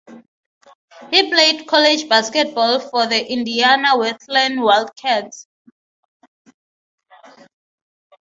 He played college basketball for the Indiana Wesleyan Wildcats.